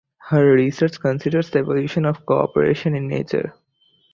Her research considers the evolution of cooperation in nature.